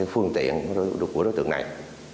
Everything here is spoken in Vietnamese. phương tiện của đối tượng này